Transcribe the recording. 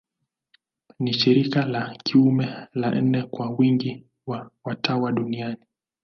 Ni shirika la kiume la nne kwa wingi wa watawa duniani.